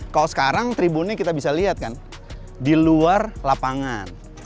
kalau sekarang tribunnya kita bisa lihat kan di luar lapangan